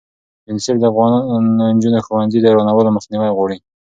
یونیسف د افغانو نجونو ښوونځي د ورانولو مخنیوی غواړي.